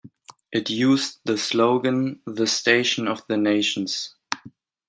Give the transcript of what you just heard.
It used the slogan The Station of the Nations.